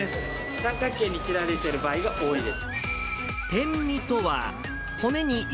三角形に切られている場合が多いです。